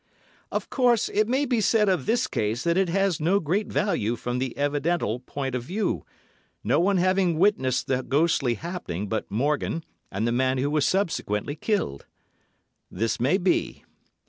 Of course, it may be said of this case that it has no great value from the evidental point of view, no one having witnessed the ghostly happening but Morgan and the man who was subsequently killed. This may be.